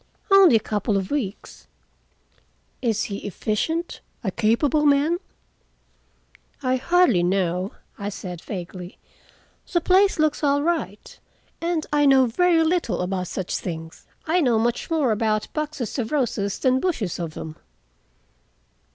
"Only a couple of weeks." "Is he efficient? A capable man?" "I hardly know," I said vaguely. "The place looks all right, and I know very little about such things. I know much more about boxes of roses than bushes of them."